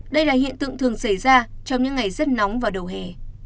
đây là hiện tượng thường xảy ra trong những ngày rất nóng và đầu hè